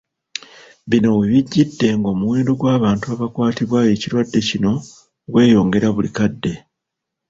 Bino we bijjidde ng'omuwendo gw’abantu abakwatibwa ekirwadde kino gweyongera buli kadde.